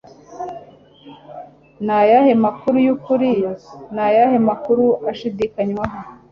ni ayahe makuru yukuri, ni ayahe makuru ashidikanywaho